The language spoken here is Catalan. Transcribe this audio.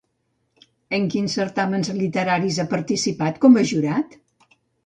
En quins certàmens literaris ha participat com a jurat?